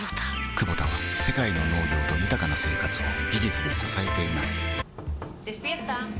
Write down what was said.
クボタは世界の農業と豊かな生活を技術で支えています起きて。